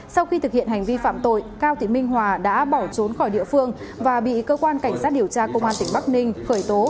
sau khi thực hiện hành vi phạm tội cao thị minh hòa đã bỏ trốn khỏi địa phương và bị cơ quan cảnh sát điều tra công an tỉnh bắc ninh khởi tố